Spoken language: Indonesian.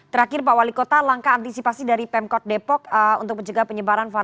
terakhir pak wali kota langkah antisipasi dari pemkot depok untuk mencegah penyebaran varian